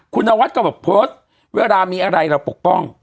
คุณนวัดก็บอกโพสต์เวลามีอะไรเราปกป้อง